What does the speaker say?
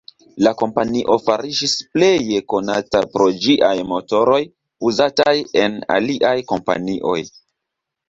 La kompanio fariĝis pleje konata pro ĝiaj motoroj uzataj en aliaj kompanioj.